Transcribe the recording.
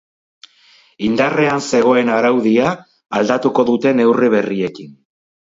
Indarrean zegoen araudia aldatuko dute neurri berriekin.